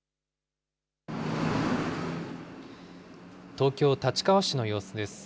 東京・立川市の様子です。